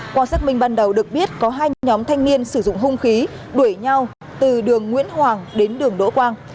qua xác minh ban đầu được biết có hai nhóm thanh niên sử dụng hung khí đuổi nhau từ đường nguyễn hoàng đến đường đỗ quang